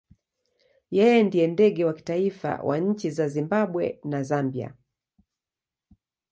Yeye ndiye ndege wa kitaifa wa nchi za Zimbabwe na Zambia.